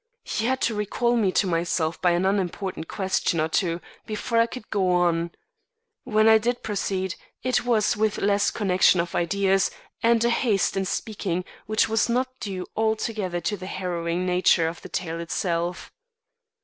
He had to recall me to myself by an unimportant question or two before I could go on. When I did proceed, it was with less connection of ideas and a haste in speaking which was not due altogether to the harrowing nature of the tale itself.